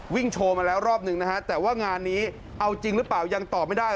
โชว์มาแล้วรอบหนึ่งนะฮะแต่ว่างานนี้เอาจริงหรือเปล่ายังตอบไม่ได้